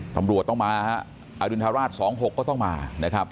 ตำรวจต้องมาฮะอดุณฑราช๒๖ก็ต้องมานะครับ